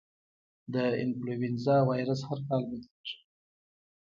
د انفلوېنزا وایرس هر کال بدلېږي.